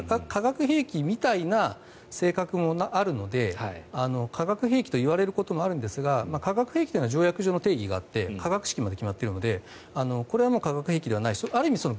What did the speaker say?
化学兵器みたいな性格もあるので化学兵器といわれることもあるんですが化学兵器というのは条約上の定義があって化学式まで決まっているのでこれは化学兵器ではないある意味